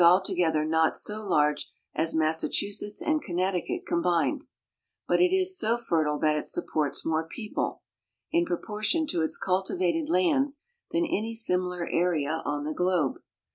l together not so large as Massachusetts and Connecticut combined; but it is .so fertile that it supports more people, in proportion to its cultivated lands, than any simitar area on the globe.